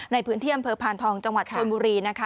ในพื้นที่อำเภอพานทองจังหวัดชนบุรีนะคะ